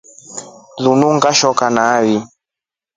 Linu ngeshoka nai.